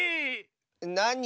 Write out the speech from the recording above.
なに？